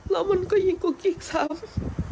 แล้วมันก็ยิ่งกว่ากิ๊กซ้ำ